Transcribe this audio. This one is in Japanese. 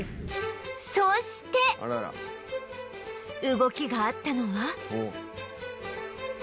そして動きがあったのは